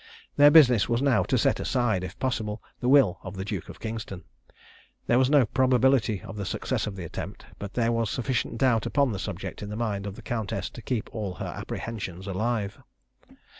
Their business was now to set aside, if possible, the will of the Duke of Kingston. There was no probability of the success of the attempt, but there was sufficient doubt upon the subject in the mind of the countess to keep all her apprehensions alive.